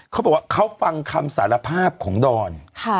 เขาบอกว่าเขาฟังคำสารภาพของดอน